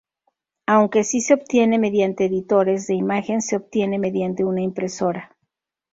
Aunque si se obtiene mediante editores de imagen se obtiene mediante una impresora.